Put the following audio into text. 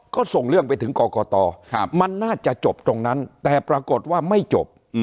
ก็ส่งเรื่องไปถึงกรกตมันน่าจะจบตรงนั้นแต่ปรากฏว่าไม่จบ